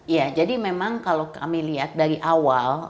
ya jadi memang kalau kami lihat dari awal